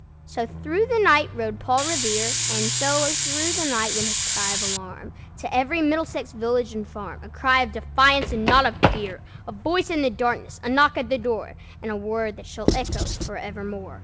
So through the night rode Paul Revere; And so through the night went his cry of alarm To every Middlesex village and farm, A cry of defiance and not of fear, A voice in the darkness, a knock at the door, And a word that shall echo forevermore!